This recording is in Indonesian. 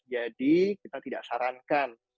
jadi kita tidak sarankan